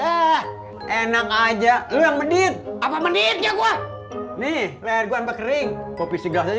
ah enak aja lu yang medit apa menitnya gua nih leher gua mbak kering kopi segelas aja